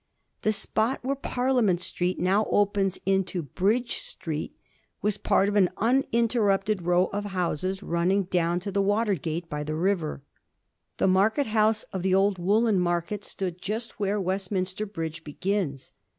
The spot where Parliament Street now opens into Bridge Street was part of an un interrupted row of houses running down to the Digiti zed by Google 1714 OLD LONDON. 85 water gate by the river. The market house of the old Woollen Market stood just where Westminster Bridge begins.